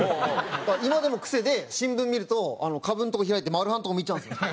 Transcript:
だから今でも癖で新聞見ると株のとこ開いてマルハのとこ見ちゃうんですよね。